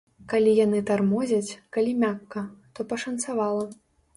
Калі яны тармозяць, калі мякка, то пашанцавала.